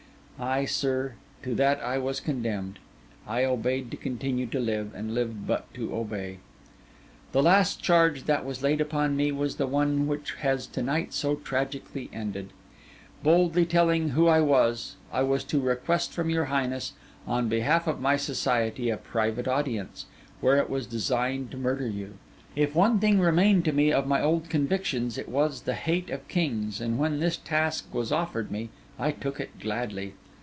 Ay, sir, to that I was condemned; I obeyed to continue to live, and lived but to obey. 'The last charge that was laid upon me was the one which has to night so tragically ended. Boldly telling who I was, I was to request from your highness, on behalf of my society, a private audience, where it was designed to murder you. If one thing remained to me of my old convictions, it was the hate of kings; and when this task was offered me, I took it gladly.